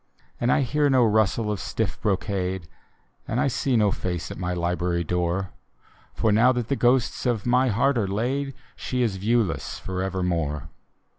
And I hear no rustle of stiff brocade, And I see no face at my library door; For now that the ghosts of my heart are laid. She is viewless forevermore.